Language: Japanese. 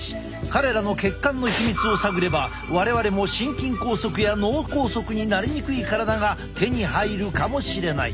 彼らの血管のヒミツを探れば我々も心筋梗塞や脳梗塞になりにくい体が手に入るかもしれない。